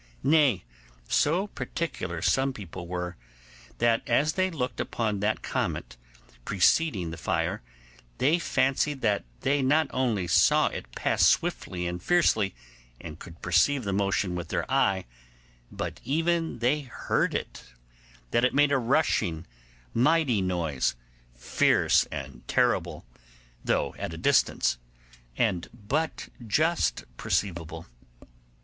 Nay, so particular some people were, that as they looked upon that comet preceding the fire, they fancied that they not only saw it pass swiftly and fiercely, and could perceive the motion with their eye, but even they heard it; that it made a rushing, mighty noise, fierce and terrible, though at a distance, and but just perceivable.